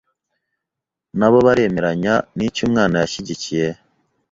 na bo baremeranya niki Umwana yashyigikiye